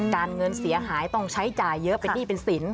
การเงินเสียหายต้องใช้จ่ายเยอะเป็นหนี้เป็นสิน